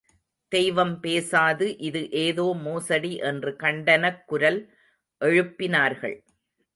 தெய்வம் பேசாது இது ஏதோ மோசடி என்று கண்டனக்குரல் எழுப்பினார்கள்.